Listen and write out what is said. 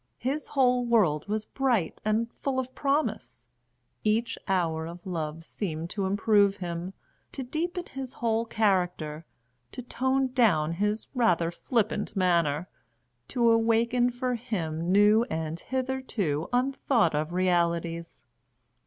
His whole world was bright and full of promise; each hour of love seemed to improve him, to deepen his whole character, to tone down his rather flippant manner, to awaken for him new and hitherto unthought of realities.